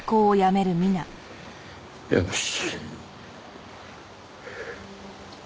よし。